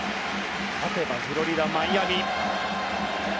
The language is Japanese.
勝てばフロリダ・マイアミ。